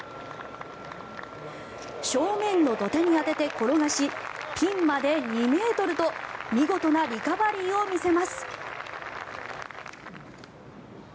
正面の土手に当てて転がしピンまで２ｍと見事なリカバリーを見せます。